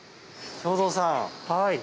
兵頭さん